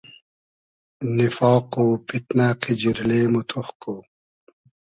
نیفاق و پیتنۂ , قیجیرلې مۉ تۉخ کو